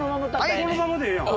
そのままでええやん。